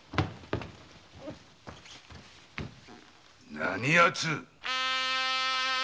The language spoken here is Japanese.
何やつ！